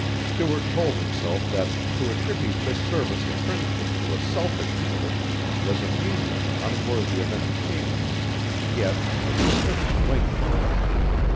Stuart told himself that to attribute this service of friendship to a selfish motive was a meanness unworthy of entertainment, yet the suspicion lingered.